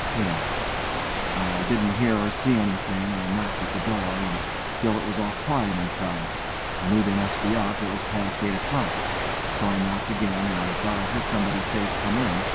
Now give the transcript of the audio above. HALE: I didn't hear or see anything; I knocked at the door, and still it was all quiet inside. I knew they must be up, it was past eight o'clock. So I knocked again, and I thought I heard somebody say, 'Come in.'